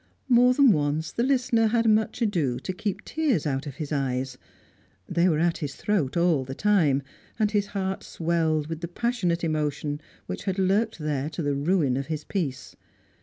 More than once the listener had much ado to keep tears out of his eyes; they were at his throat all the time, and his heart swelled with the passionate emotion which had lurked there to the ruin of his peace.